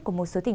của một bộ phim